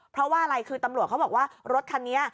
เพราะว่าอะไรคือตำรวจเขาบอกว่ารถคันนี้